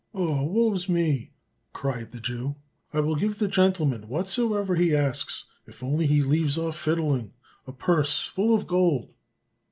"Oh, woe's me! cried the Jew; I will give the gentleman whatsoever he asks if only he leaves off fiddling a purse full of gold."